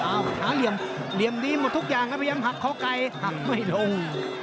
อ้าวหาเหลี่ยมเหลี่ยมดีหมดทุกอย่างนะเหลี่ยมหักเค้าไก่หักไม่ลง